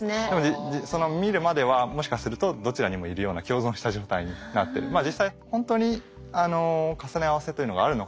でも見るまではもしかするとどちらにもいるような共存した状態になってる。